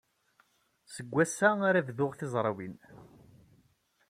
Seg wass-a ara bduɣ tizrawin.